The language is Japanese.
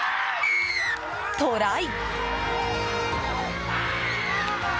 トライ！